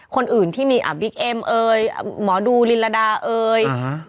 คนอื่นที่มีอ่ะบิ๊กเอ็มเอ่ยหมอดูลิลดาเอ่ย